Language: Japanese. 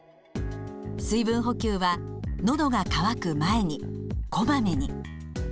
水分補給は「のどが渇く前に」「こまめに」。